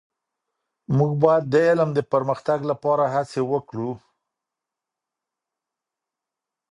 موږ باید د علم د پرمختګ لپاره هڅې وکړو.